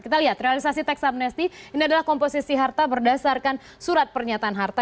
kita lihat realisasi teks amnesti ini adalah komposisi harta berdasarkan surat pernyataan harta